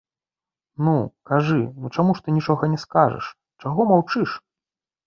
Ну, кажы, ну, чаму ж ты нічога не скажаш, чаго маўчыш?!